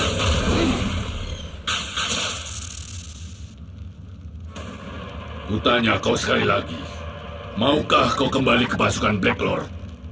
hai putanya kau sekali lagi maukah kau kembali ke pasukan black lord